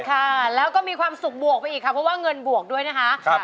ค่ะแล้วก็มีความสุขบวกไปอีกค่ะเพราะว่าเงินบวกด้วยนะคะ